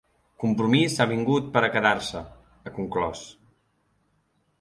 “Compromís ha vingut per a quedar-se”, ha conclòs.